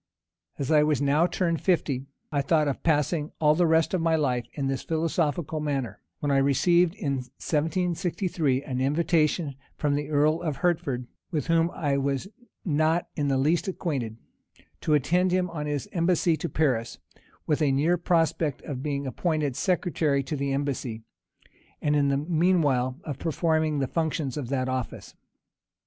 As I was now turned of fifty, I thought of passing all the rest of my life in this philosophical manner: when I received, in 1763, an invitation from the earl of Hertford, with whom I was not in the least acquainted, to attend him on his embassy to Paris, with a near prospect of being appointed secretary to the embassy; and, in the mean while, of performing the functions of that office.